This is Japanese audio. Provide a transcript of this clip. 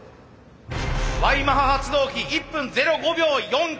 Ｙマハ発動機１分０５秒４９。